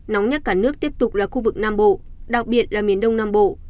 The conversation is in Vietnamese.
nóng nhất cả nước tiếp tục là khu vực nam bộ đặc biệt là miền đông nam bộ